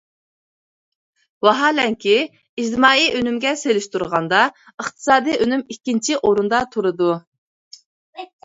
ۋاھالەنكى، ئىجتىمائىي ئۈنۈمگە سېلىشتۇرغاندا، ئىقتىسادىي ئۈنۈم ئىككىنچى ئورۇندا تۇرىدۇ.